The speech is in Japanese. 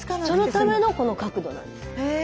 そのためのこの角度なんです。